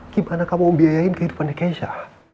gimana kamu biayain kehidupan keisha